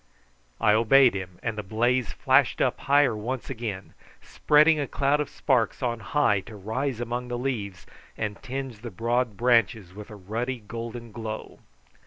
I obeyed him, and the blaze flashed up higher once again, spreading a cloud of sparks on high to rise among the leaves and tinge the broad branches with a ruddy golden glow.